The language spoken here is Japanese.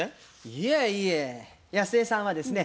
いえいえやすえさんはですね